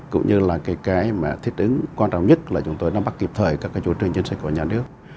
cũng như là cái thiết ứng quan trọng nhất là chúng tôi nắm bắt kịp thời các chủ trương chính sách của nhà nước